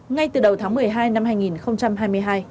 ngay từ đầu tháng một mươi hai năm hai nghìn hai mươi hai